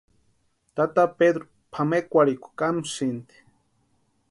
Tata Pedru pʼamekwarhikwa kámsïnti.